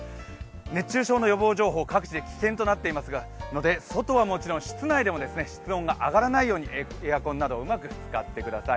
熱中症の予防情報各地危険になってますが外はもちろん室内でも室温が上がらないようにエアコンを上手に使ってください。